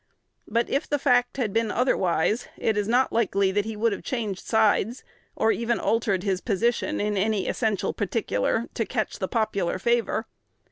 But, if the fact had been otherwise, it is not likely that he would have changed sides, or even altered his position in any essential particular, to catch the popular favor.